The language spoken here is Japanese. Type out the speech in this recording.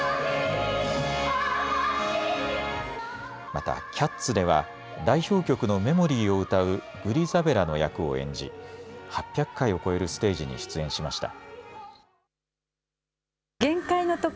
またキャッツでは代表曲のメモリーを歌うグリザベラの役を演じ８００回を超えるステージに出演しました。